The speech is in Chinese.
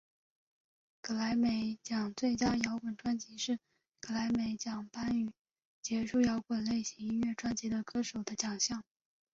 葛莱美奖最佳摇滚专辑是葛莱美奖颁予杰出摇滚类型音乐专辑的歌手的奖项。